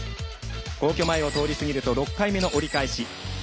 皇居前を通り過ぎると６回目の折り返し。